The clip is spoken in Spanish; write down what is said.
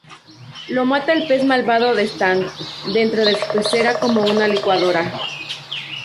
Lo mata el pez malvado de Stan dentro de su pecera como una licuadora.